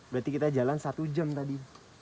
berarti kita jalan satu jam tadi